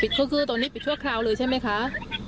อ๋อปิดคือคือตอนนี้ปิดชั่วคราวเลยใช่ไหมคะค่ะ